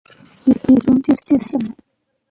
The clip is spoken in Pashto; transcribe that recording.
د لاهور معاهده ډیري مادي لري.